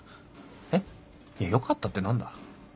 えっいや「よかった」って何だ？